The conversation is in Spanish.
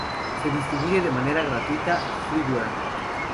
Se distribuye de manera gratuita —freeware.